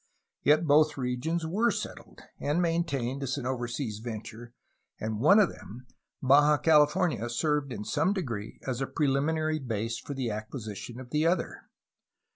Yet both regions were settled and main tained as an overseas venture, and one of them, Baja Cali fornia, served in some degree as a preliminary base for the acquisition of the other.